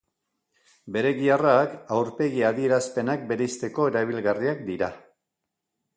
Bere giharrak aurpegi-adierazpenak bereizteko erabilgarriak dira.